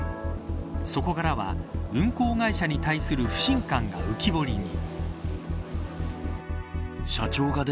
そこからは、運航会社に対する不信感が浮き彫りに。